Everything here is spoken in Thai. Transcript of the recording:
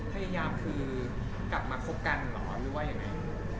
พยายามคือกลับมาคบกันเหรอหรือว่ายังไง